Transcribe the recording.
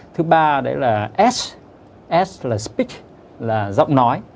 thứ ba đấy là s s là speech là giọng nói